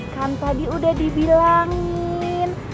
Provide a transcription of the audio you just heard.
kan tadi udah dibilangin